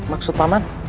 maksud pak man